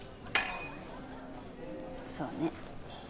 そうね。